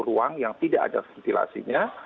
ruang yang tidak ada ventilasinya